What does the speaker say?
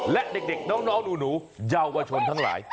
และเด็กน้องหนูเยาวชนทั้งหลาย